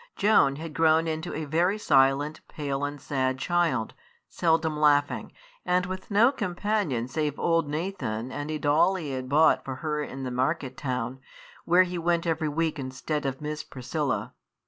Joan had grown into a very silent, pale, and sad child, seldom laughing, and with no companion save old Nathan and a doll he had bought for her in the market town, where he went every week instead of Miss Priscilla.